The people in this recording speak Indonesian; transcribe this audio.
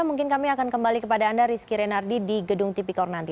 mungkin kami akan kembali kepada anda rizky renardi di gedung tipikor nanti